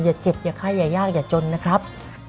อย่าเจ็บอย่าไข้อย่ายากอย่าจนนะครับ